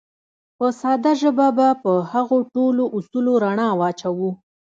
په ساده ژبه به په هغو ټولو اصولو رڼا واچوو.